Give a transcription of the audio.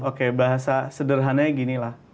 oke bahasa sederhananya ginilah